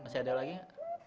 masih ada lagi gak